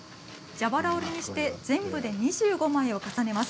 蛇腹折りにして全部で２５枚を重ねます。